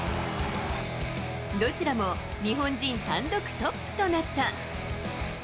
どちらも、日本人単独トップとなった。